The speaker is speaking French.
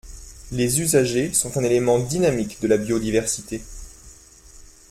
Les usagers sont un élément dynamique de la biodiversité.